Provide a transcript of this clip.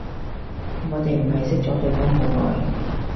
我哋唔係識咗對方好耐